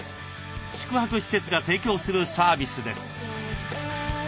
宿泊施設が提供するサービスです。